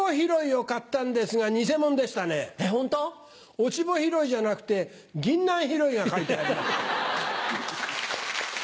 落穂拾いじゃなくてぎんなん拾いが描いてありました。